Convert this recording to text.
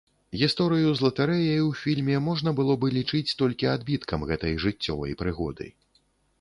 Гісторыю з латарэяй у фільме можна было бы лічыць толькі адбіткам гэтай жыццёвай прыгоды.